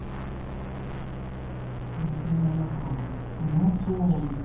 店の中もこのとおり。